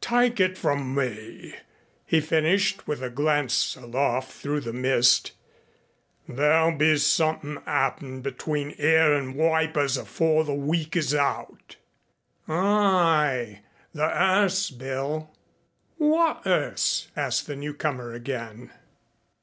"Tyke it from me," he finished, with a glance aloft through the mist, "there'll be somethin' happen between 'ere an' Wipers afore the week is hout " "Aye the 'earse, Bill." "Wot 'earse?" asked the newcomer again.